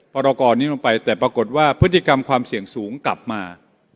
พรกรนี้ลงไปแต่ปรากฏว่าพฤติกรรมความเสี่ยงสูงกลับมา